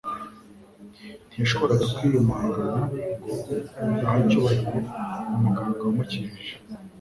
ntiyashobora kwiyumanganya ngo adaha icyubahiro umuganga wamukijije.